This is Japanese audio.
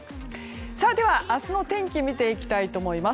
では、明日の天気を見ていきたいと思います。